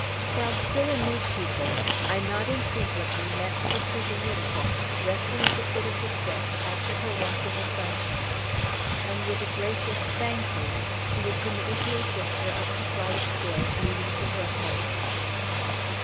While still a new pupil, I not infrequently met Sister Dominica resting at the foot of the steps after her walk in the sunshine, and with a gracious, "Thank you," she would permit me to assist her up the flight of stairs leading to her apartment.